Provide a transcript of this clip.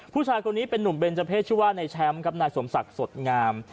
ผู้ชายคนนี้เป็นนุ่มเบนเจอร์เพศชื่อว่านายแชมป์ครับนายสมศักดิ์สดงาม